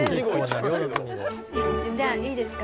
矢田：「じゃあ、いいですか？